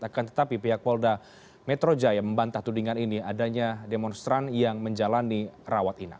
akan tetapi pihak polda metro jaya membantah tudingan ini adanya demonstran yang menjalani rawat inap